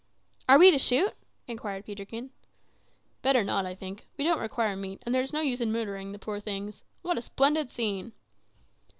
"Are we to shoot?" inquired Peterkin. "Better not, I think. We don't require meat, and there is no use in murdering the poor things. What a splendid scene!"